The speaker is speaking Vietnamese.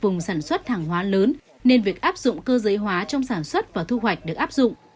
bà con cũng sản xuất hàng hóa lớn nên việc áp dụng cơ giới hóa trong sản xuất và thu hoạch được áp dụng